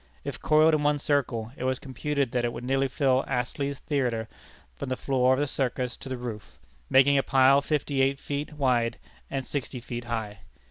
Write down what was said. If coiled in one circle, it was computed that it would nearly fill Astley's theatre from the floor of the circus to the roof making a pile fifty eight feet wide and sixty feet high.